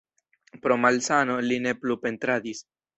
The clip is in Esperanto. Pro malsano li ne plu pentradis.